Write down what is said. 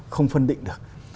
không phân định được